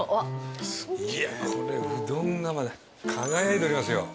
いやこれうどんが輝いておりますよ。